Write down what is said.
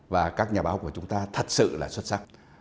và các nhà báo của chúng ta thật sự là xuất sắc